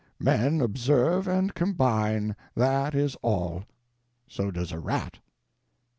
Men observe and combine, that is all. So does a rat.